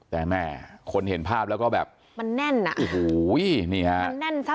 แต่แม่คนเห็นภาพแล้วก็แบบมันแน่นอ่ะมันแน่นซะ